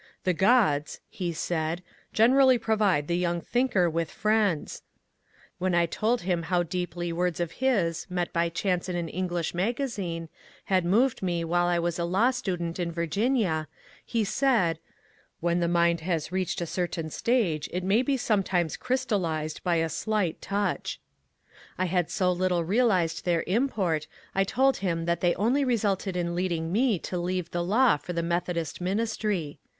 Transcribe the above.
^' The gods," he said, " generally provide the young thinker with friends." When I told him how deeply words of his, met by chance in an English magazine, had moved me while I was a law student in Virginia, he said, ^^ When the mind has reached a certain stage it may be sometimes crystallized by a slight 136 MONCURE DANIEL CONWAY touch." I had so little realized their import, I told him that they only resulted in leading me to leave the law for the Methodist ministry.